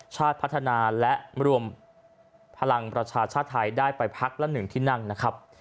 ชาติพัฒนาและรวมพลังประชาชาติไทยได้ไปพักละ๑ที่นั่งนะครับ